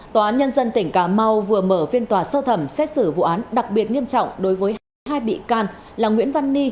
tòa án nhân dân tỉnh cà mau vừa mở phiên tòa sơ thẩm xét xử vụ án đặc biệt nghiêm trọng đối với hai bị can là nguyễn văn ni